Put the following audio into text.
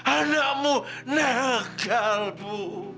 anakmu negal bu